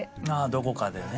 どこかでね。